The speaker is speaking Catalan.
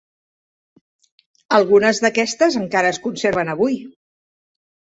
Algunes d'aquestes encara es conserven avui.